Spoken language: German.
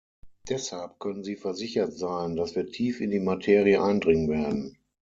Deshalb können Sie versichert sein, dass wir tief in die Materie eindringen werden.